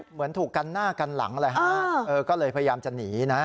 เหมือนถูกกันหน้ากันหลังเลยฮะก็เลยพยายามจะหนีนะ